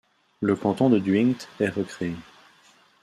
Le canton de Duingt est recréé.